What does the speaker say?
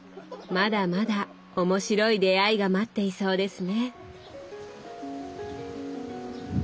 まだまだ面白い出会いが待っていそうですね。